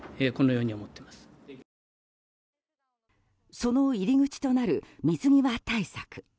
その入り口となる水際対策。